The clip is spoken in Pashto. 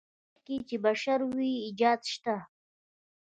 په هر ځای کې چې بشر وي ایجاد شته.